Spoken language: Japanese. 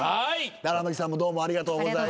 荒牧さんもどうもありがとうございました。